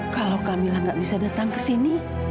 kalau kamilah nggak bisa datang ke sini